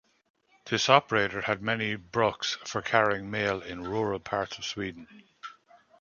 This operator had many brucks for carrying mail in rural parts of Sweden.